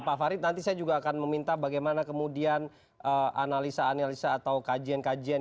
pak farid nanti saya juga akan meminta bagaimana kemudian analisa analisa atau kajian kajian